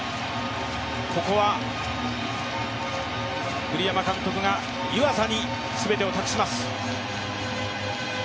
ここは栗山監督が湯浅に全てを託します。